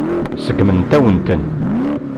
Seggment-awen-ten.